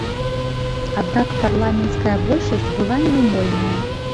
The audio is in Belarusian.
Аднак парламенцкая большасць была няўмольная.